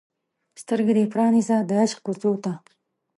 سترګې دې پرانیزه د عشق کوڅو ته